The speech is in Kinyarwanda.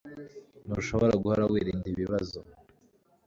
Ntushobora guhora wirinda ibibazo